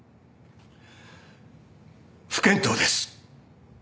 不見当です。